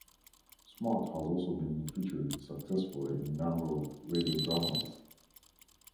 Smart has also been featured successfully in a number of radio dramas.